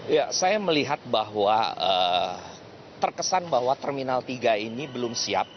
ya saya melihat bahwa terkesan bahwa terminal tiga ini belum siap